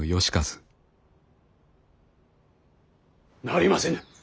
なりませぬ。